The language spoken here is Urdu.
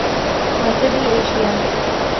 مغربی ایشیا